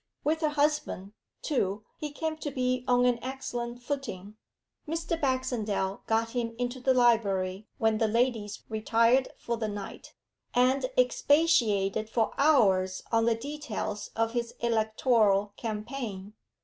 With her husband, too, he came to be on an excellent footing. Mr. Baxendale got him into the library when the ladies retired for the night, and expatiated for hours on the details of his electoral campaign.